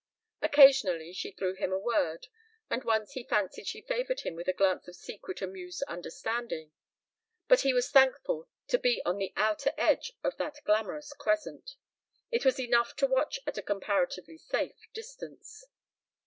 Occasionally she threw him a word, and once he fancied she favored him with a glance of secret amused understanding, but he was thankful to be on the outer edge of that glamorous crescent. It was enough to watch at a comparatively safe distance.